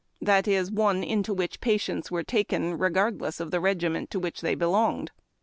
thai i>. one into which patients were taken regard less of the reginient to which they belonged.